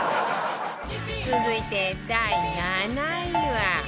続いて第７位は